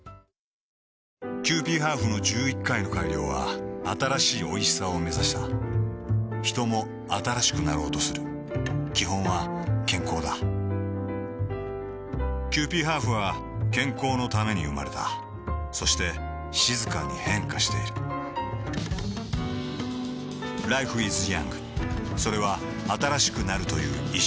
キユーピーハーフの１１回の改良は新しいおいしさをめざしたヒトも新しくなろうとする基本は健康だキユーピーハーフは健康のために生まれたそして静かに変化しているＬｉｆｅｉｓｙｏｕｎｇ．それは新しくなるという意識